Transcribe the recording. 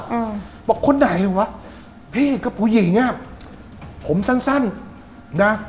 อืมบอกคนไหนวะพี่กับผู้หญิงอ่ะผมสั้นสั้นนะ